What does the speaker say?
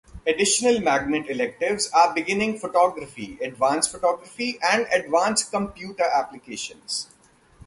Additional magnet electives are beginning photography, advanced photography, and advanced computer applications.